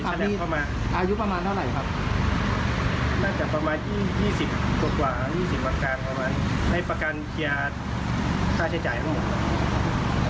กว่า๒๐วันกลางประมาณให้ประกันเกียรติค่าใช้จ่ายทั้งหมด